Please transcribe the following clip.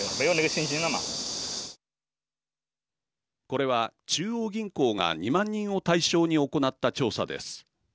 これは、中央銀行が２万人を対象に行った調査です。